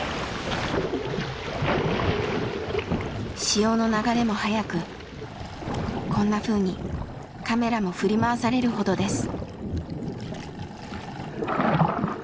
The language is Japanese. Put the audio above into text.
潮の流れも速くこんなふうにカメラも振り回されるほどです。